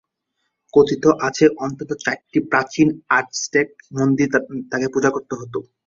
কথিত আছে, অন্তত চারটি প্রাচীন আজটেক মন্দিরে তাকে পূজা করা হত।